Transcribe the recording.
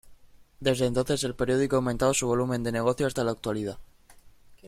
Desde entonces el periódico ha aumentado su volumen de negocio hasta la actualidad.